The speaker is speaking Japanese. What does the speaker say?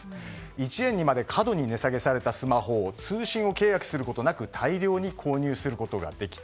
１円にまで過度に値下げされたスマホを通信契約することなく大量に購入することができた。